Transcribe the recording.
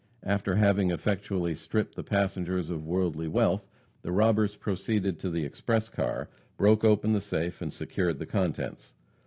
After having effectually stripped the passengers of worldly wealth, the robbers proceeded to the express car, broke open the safe, and secured the contents.